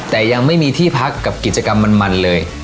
แต่ยังไม่มีที่พักกับกิจกรรมมันเลย